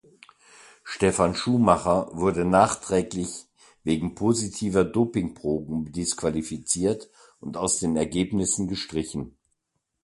Stefan Schumacher wurde nachträglich wegen positiver Dopingproben disqualifiziert und aus den Ergebnissen gestrichen.